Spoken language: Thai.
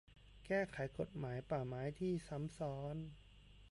แก้ไขกฎหมายป่าไม้ที่ซ้ำซ้อน